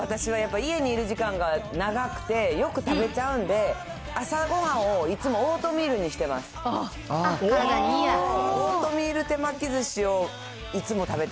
私はやっぱり家にいる時間が長くて、よく食べちゃうんで、朝ごはんをいつもオートミールにし体にいいや。